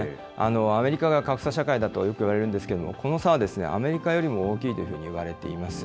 アメリカが格差社会だとよく言われるんですけれども、この差はですね、アメリカよりも大きいというふうにいわれています。